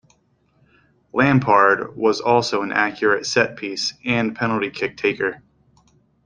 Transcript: Lampard was also an accurate set-piece and penalty kick taker.